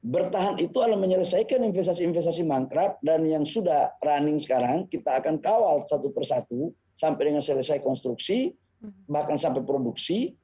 bertahan itu adalah menyelesaikan investasi investasi mangkrak dan yang sudah running sekarang kita akan kawal satu persatu sampai dengan selesai konstruksi bahkan sampai produksi